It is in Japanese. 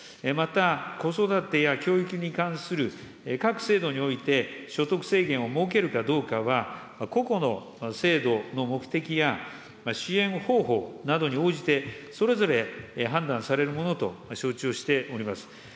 また、子育てや教育に関する各制度において、所得制限を設けるかどうかは、個々の制度の目的や支援方法などに応じてそれぞれ判断されるものと承知をしております。